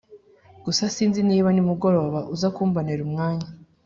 gusa sinzi niba nimugoroba uzakumbonera umwanya